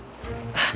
あっ。